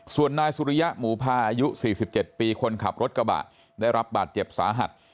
ส่วนนายสุริยะหมูพาอายุ๔๗ปีคนขับรถกระบะได้รับบาดเจ็บสาหัส